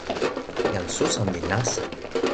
jan Susan li nasa.